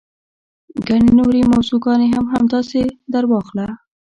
ګڼې نورې موضوع ګانې هم همداسې درواخله.